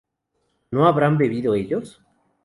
¿no habrán bebido ellos?